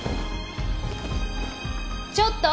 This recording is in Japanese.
ちょっと！？